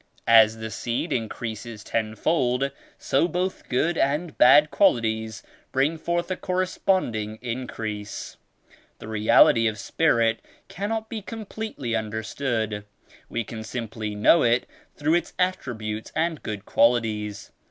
As the seed increases tenfold so both good and bad qualities bring forth a correspond ing increase. The Reality of Spirit cannot be completely understood. We can simply know It through Its attributes and good qualities."